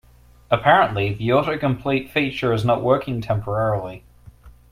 Apparently, the autocomplete feature is not working temporarily.